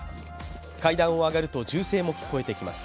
階段を上がると銃声も聞こえてきます。